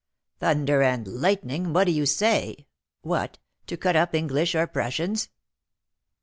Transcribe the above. "Thunder and lightning! what do you say? What! to cut up English or Prussians!